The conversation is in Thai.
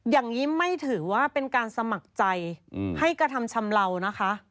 อย่างนี้ไม่ถือว่าเป็นการสมัครใจให้กระทำชำเลานะคะ